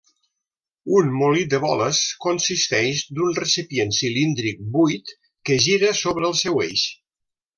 Un molí de boles consisteix d'un recipient cilíndric buit que gira sobre el seu eix.